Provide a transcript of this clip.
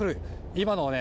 今のね